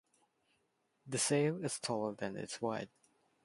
The sail is taller than its wide.